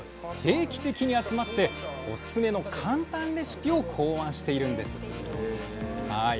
定期的に集まっておすすめの簡単レシピを考案しているんです。